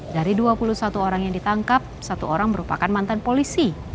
dari dua puluh satu orang yang ditangkap satu orang merupakan mantan polisi